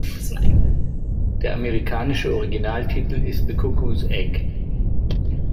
Der amerikanische Original-Titel ist "The Cuckoo’s Egg".